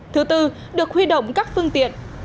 thứ tư được huy động các phương tiện